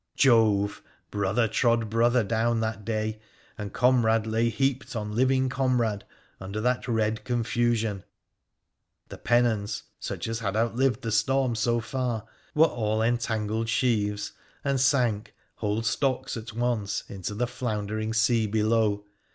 Jove ! brother trod brother down that day, and com rade lay heaped on living comrade under that red confusion. The pennons — such as had outlived the storm so far — were all entangled sheaves, and sank, whole stocks at once, into the floundering sea below.